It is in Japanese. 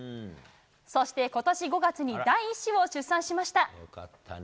そして、ことし５月に第１子を出産しました。